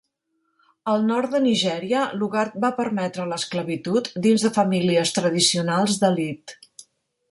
Al nord de Nigèria, Lugard va permetre l'esclavitud dins de famílies tradicionals d'elit.